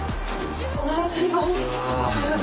おはようございます。